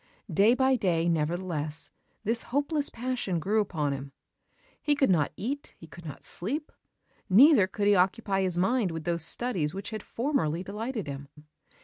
Day by day, nevertheless, this hopeless passion grew upon him. He could not eat; he could not sleep: neither could he occupy his mind with those studies which had formerly delighted him.